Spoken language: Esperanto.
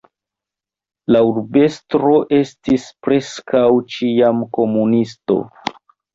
La urbestro estis preskaŭ ĉiam komunisto.